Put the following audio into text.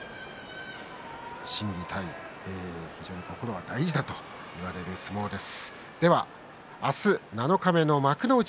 心技体、心が大事だと言われる相撲です。